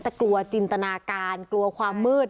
แต่กลัวจินตนาการกลัวความมืด